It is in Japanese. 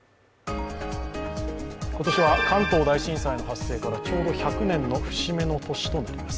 今年は、関東大震災の発生からちょうど１００年の節目の年です。